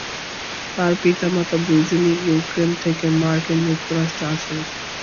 তার পিতামাতা দুজনেই ইউক্রেন থেকে মার্কিন যুক্তরাষ্ট্রে আসেন।